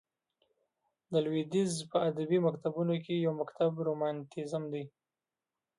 د لوېدیځ په ادبي مکتبونو کښي یو مکتب رومانتیزم دئ.